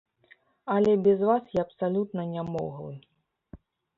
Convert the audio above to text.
Але без вас я абсалютна нямоглы.